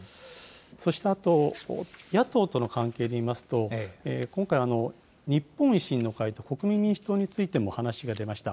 そしてあと、野党との関係でいいますと、今回、日本維新の会と国民民主党についても話が出ました。